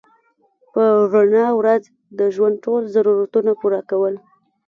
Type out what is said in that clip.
په رڼا ورځ د ژوند ټول ضرورتونه پوره کول